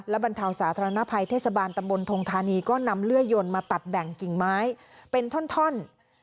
และบรรเทาสาธารณภัยเทศบาลตำบลทงธานีก็นำเลื่อยยนต์มาตัดแบ่งกิ่งไม้เป็นท่อน